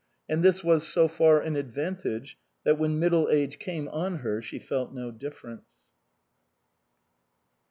And this was so far an advantage, that when middle age came on her she felt no difference.